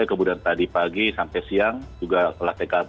kemudian tadi pagi sampai siang juga telah tkp